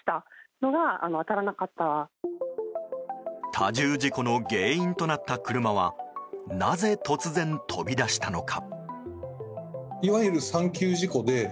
多重事故の原因となった車はなぜ突然飛び出したのか？